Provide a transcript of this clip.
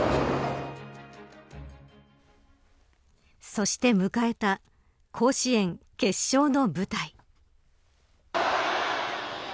そして迎えた甲子園決勝の舞台。